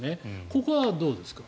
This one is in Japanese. ここはどうですか。